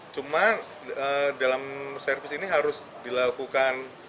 cuma dalam servis ini harus dilakukan